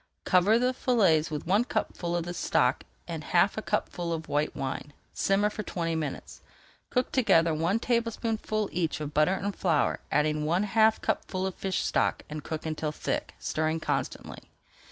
Cover the fillets with one cupful of this stock and half a cupful of white wine. Simmer for twenty minutes. Cook together one tablespoonful each of butter and flour, add one half cupful of fish stock and cook until thick, stirring constantly.